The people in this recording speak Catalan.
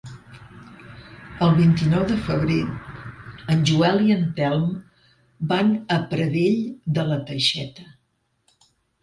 El vint-i-nou de febrer en Joel i en Telm van a Pradell de la Teixeta.